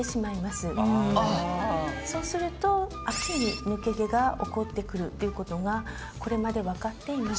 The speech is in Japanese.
そうすると秋に抜け毛が起こってくるということがこれまで分かっています。